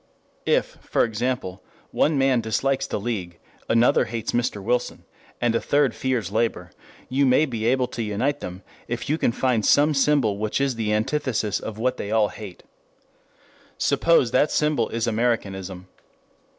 If, for example, one man dislikes the League, another hates Mr. Wilson, and a third fears labor, you may be able to unite them if you can find some symbol which is the antithesis of what they all hate. Suppose that symbol is Americanism.